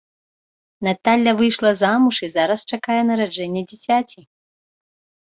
Наталля выйшла замуж і зараз чакае нараджэння дзіцяці.